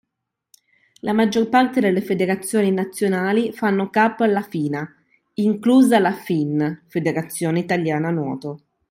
La maggior parte delle federazioni nazionali fanno capo alla FINA, inclusa la FIN (Federazione Italiana Nuoto).